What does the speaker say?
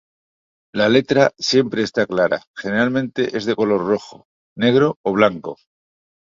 La letra siempre está clara, generalmente es de color rojo, negro o blanco.